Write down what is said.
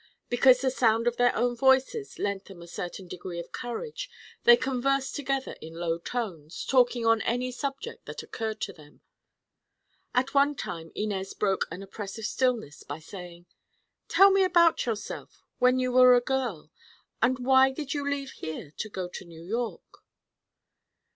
Because the sound of their own voices lent them a certain degree of courage they conversed together in low tones, talking on any subject that occurred to them. At one time Inez broke an oppressive stillness by saying: "Tell me about yourself—when you were a girl. And why did you leave here to go to New York?"